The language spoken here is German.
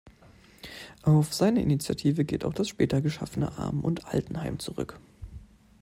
Auf seine Initiative geht auch das später geschaffene Armen- und Altenheim zurück.